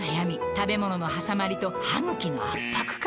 食べ物のはさまりと歯ぐきの圧迫感